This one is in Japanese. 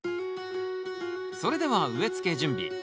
それでは植えつけ準備。